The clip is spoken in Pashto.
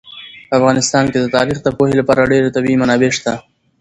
په افغانستان کې د تاریخ د پوهې لپاره ډېرې طبیعي منابع شته دي.